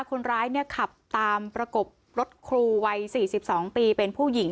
คนร้ายขับตามประกบรถครูวัย๔๒ปีเป็นผู้หญิง